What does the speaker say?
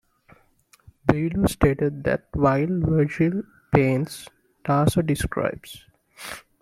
Boileau stated that, while Virgil "paints", Tasso "describes".